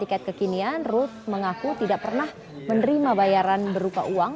tiket kekinian ruth mengaku tidak pernah menerima bayaran berupa uang